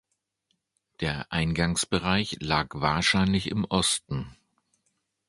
Der Eingangsbereich lag wahrscheinlich im Osten.